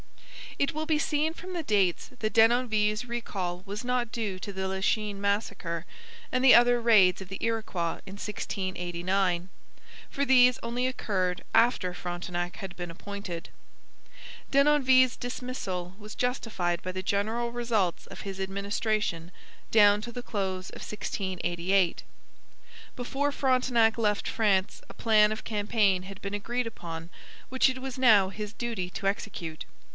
It will be seen from the dates that Denonville's recall was not due to the Lachine massacre and the other raids of the Iroquois in 1689, for these only occurred after Frontenac had been appointed. Denonville's dismissal was justified by the general results of his administration down to the close of 1688. Before Frontenac left France a plan of campaign had been agreed upon which it was now his duty to execute.